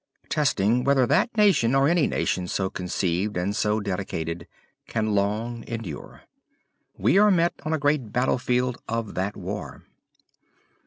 . .testing whether that nation, or any nation so conceived and so dedicated. .. can long endure. We are met on a great battlefield of that war.